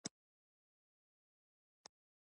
هند ته ولاړ شم.